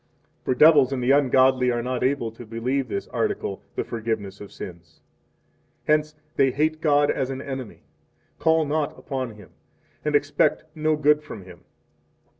For devils and the ungodly are not able to believe this article: the forgiveness of sins. Hence, they hate God as an enemy, call not upon Him, 26 and expect no good from Him.